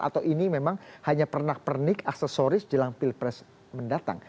atau ini memang hanya pernak pernik aksesoris jelang pilpres mendatang